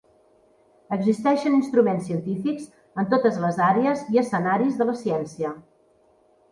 Existeixen instruments científics en totes les àrees i escenaris de la ciència.